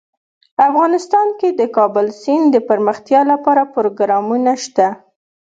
افغانستان کې د کابل سیند دپرمختیا لپاره پروګرامونه شته.